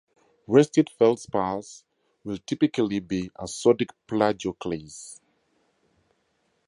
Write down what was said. Restite feldspars will typically be a sodic plagioclase.